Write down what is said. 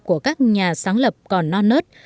của các nhà sáng lập còn non nớt